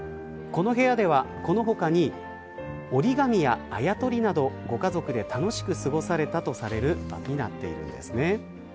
この部屋では、この他に折り紙や、あやとりなどご家族で楽しく過ごされたとされる場になっているんですね。